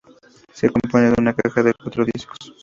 Se compone de una caja de cuatro discos.